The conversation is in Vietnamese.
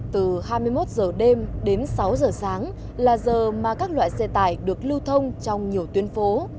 từ hai mươi một h đêm đến sáu giờ sáng là giờ mà các loại xe tải được lưu thông trong nhiều tuyến phố